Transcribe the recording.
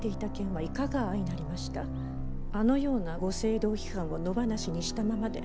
あのようなご政道批判を野放しにしたままで。